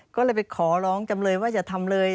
ก็เลยไปขอร้องจำเลยว่าอย่าทำเลย